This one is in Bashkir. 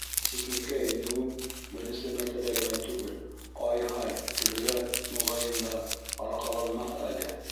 Ситлеккә инеүем беренсе мәртәбә генә түгел, ай-һай, «тегеләр», моғайын да, арҡанламаҫ әле.